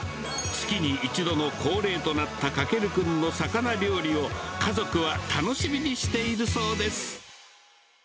月に１度の恒例となった翔君の魚料理を家族は楽しみにしているそうです。